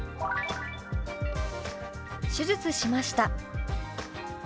「手術しました」。